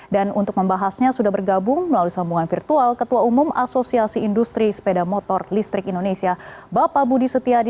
dan untuk membahasnya sudah bergabung melalui sambungan virtual ketua umum asosiasi industri sepeda motor listrik indonesia bapak budi setiadi